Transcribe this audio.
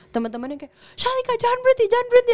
temen temennya kayak shalika jangan berhenti jangan berhenti